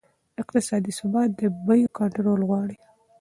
اقتصادي ثبات د بیو کنټرول غواړي.